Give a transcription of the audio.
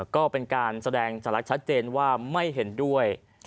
ก็เป็นการแสดงสัญลักษณ์ชัดเจนว่าไม่เห็นด้วย